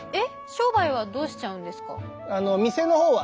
商売はどうしちゃうんですか？